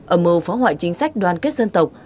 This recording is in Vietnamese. ẩm mơ phá hoại chính sách đoàn kết dân tộc